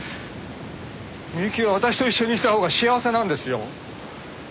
美雪は私と一緒にいたほうが幸せなんですよ。